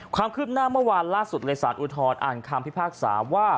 ความคืบหน้าเมื่อวานล่าสุดเลยสารอุทธรณอ่านคำพิพากษาว่า